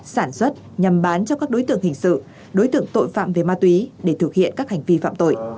sản xuất nhằm bán cho các đối tượng hình sự đối tượng tội phạm về ma túy để thực hiện các hành vi phạm tội